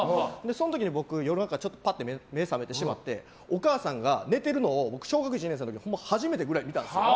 その時に僕、夜中目が覚めてしまってお母さんが寝てるのを僕、小学１年生くらいの時初めてぐらい見たんですよ。